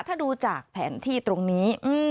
ถ้าดูจากแผนที่ตรงนี้